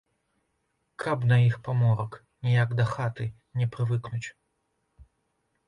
Каб на іх паморак, ніяк да хаты не прывыкнуць.